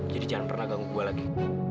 jadi jangan pernah ganggu saya lagi